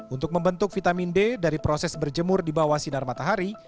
untuk membentuk vitamin d dari proses berjemur di bawah sinar matahari